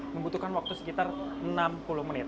membutuhkan waktu sekitar enam puluh menit